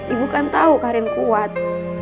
ibu kan tahu karen kuat